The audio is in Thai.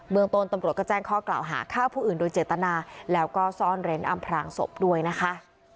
เมืองต้นตำรวจก็แจ้งข้อกล่าวหาฆ่าผู้อื่นโดยเจตนาแล้วก็ซ่อนเร้นอำพลางศพด้วยนะคะ